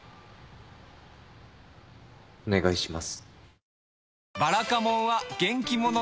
お願いします。